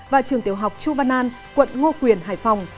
và trường tiểu học chu văn an quận ngô quyền hải phòng